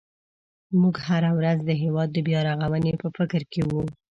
موږ هره ورځ د هېواد د بیا رغونې په فکر کې وو.